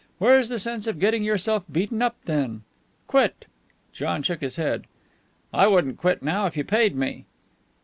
Where's the sense of getting yourself beaten up then? Quit!" John shook his head. "I wouldn't quit now if you paid me."